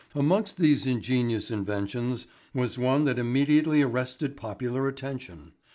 Amongst these ingenious inventions was one that immediately arrested popular attention.